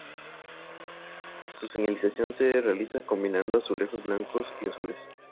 Su señalización se realiza combinando azulejos blancos y azules.